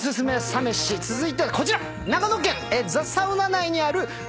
サ飯続いてはこちら！